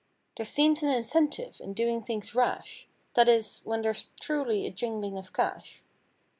There seems an incentive in doing things rash; That is, when there's truly a jingling of cash.